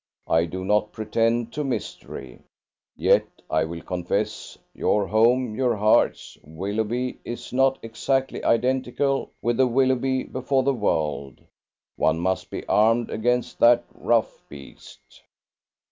I do not pretend to mystery: yet, I will confess, your home your heart's Willoughby is not exactly identical with the Willoughby before the world. One must be armed against that rough beast."